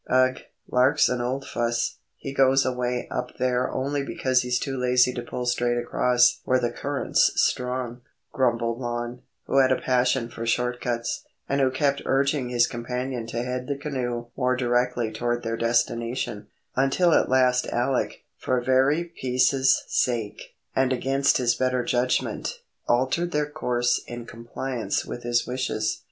"Ugh: Lark's an old fuss. He goes away up there only because he's too lazy to pull straight across where the current's strong," grumbled Lon, who had a passion for short cuts, and who kept urging his companion to head the canoe more directly toward their destination, until at last Alec, for very peace's sake, and against his better judgment, altered their course in compliance with his wishes.